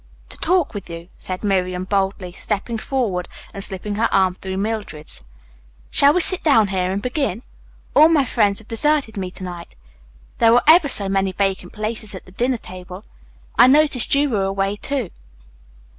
"To talk with you," said Miriam boldly, stepping forward and slipping her arm through Mildred's. "Shall we sit down here and begin? All my friends have deserted me to night. There were ever so many vacant places at the dinner table. I noticed you were away, too."